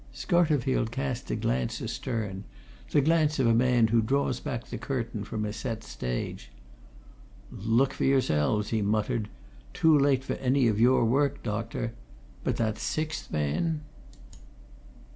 Scarterfield cast a glance astern the glance of a man who draws back the curtain from a set stage. "Look for yourselves!" he muttered. "Too late for any of your work, doctor. But that sixth man?"